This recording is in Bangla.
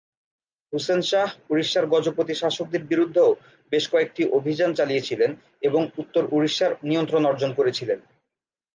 হুসেন শাহ উড়িষ্যার গজপতি শাসকদের বিরুদ্ধেও বেশ কয়েকটি অভিযান চালিয়েছিলেন এবং উত্তর উড়িষ্যার নিয়ন্ত্রণ অর্জন করেছিলেন।